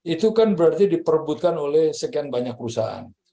itu kan berarti diperbutkan oleh sekian banyak perusahaan